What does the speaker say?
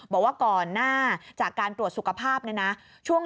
บอกว่าก่อนหน้าจากการตรวจสุขภาพเนี่ยนะ